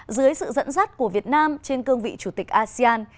dưới sự dẫn dắt của việt nam trên cương vị chủ tịch asean